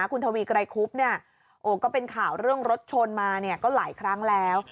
คุณทวีไกรคุบเนี่ยโอ้ก็เป็นข่าวเรื่องรถชนมาเนี่ยก็หลายครั้งแล้ว